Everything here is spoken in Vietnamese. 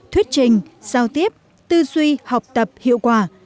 thuyết trình giao tiếp tư duy học tập hiệu quả